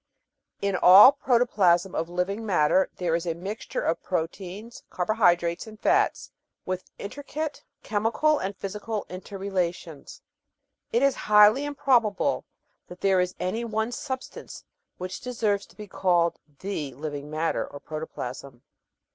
In all protoplasm of living matter there is a mixture of proteins, carbohydrates, and fats, with intricate chemical and physical inter relations. It is highly improbable that there is any one substance which deserves to be called the living matter or protoplasm.